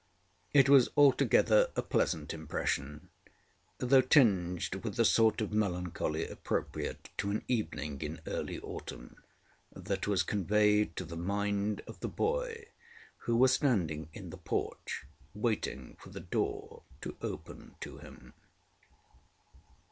It was altogether a pleasant impression, though tinged with the sort of melancholy appropriate to an evening in early autumn, that was conveyed to the mind of the boy who was standing in the porch waiting for the door to open to him.